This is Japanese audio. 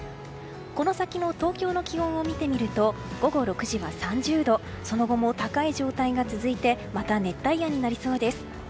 この先の東京の気温を見てみると午後６時は３０度その後も高い状態が続いてまた熱帯夜になりそうです。